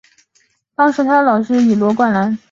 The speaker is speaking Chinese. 当时他的老师为林立三以及罗冠兰。